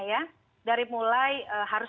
ya dari mulai harus